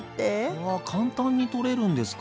うわ簡単に取れるんですか？